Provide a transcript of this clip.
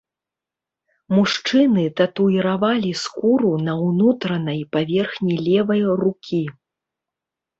Мужчыны татуіравалі скуру на ўнутранай паверхні левай рукі.